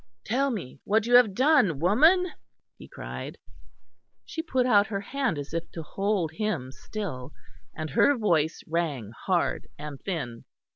"Tell me what you have done, woman," he cried. She put out her hand as if to hold him still, and her voice rang hard and thin.